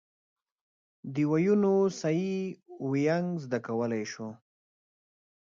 د ویونو صحیح وینګ زده کولای شو.